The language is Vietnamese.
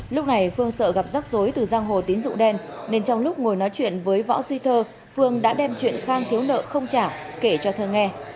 lúc này phương sợ gặp rắc rối từ giang hồ tín dụng đen nên trong lúc ngồi nói chuyện với võ duy thơ phương đã đem chuyện khang thiếu nợ không trả kể cho thơ nghe